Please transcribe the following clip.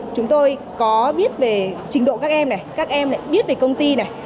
chúng tôi có biết về trình độ các em này các em lại biết về công ty này